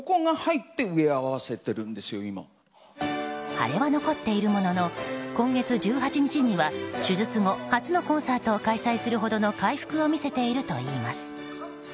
腫れは残っているものの今月１８日には手術後初のコンサートを開催するほどの回復を見せているといいます。